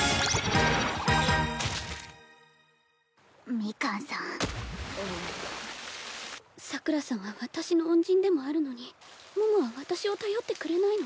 ミカンさんうう桜さんは私の恩人でもあるのに桃は私を頼ってくれないの？